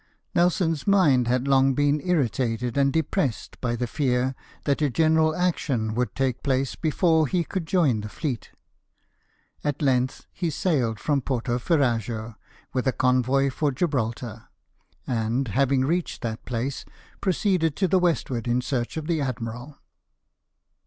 Nelson's mind had long been irritated and depressed by the fear that a general action would take place before he could join the fleet. At length he sailed from Porto Ferrajo with a convoy for Gibraltar, and, having reached that place, proceeded to the westward in search of the admiral.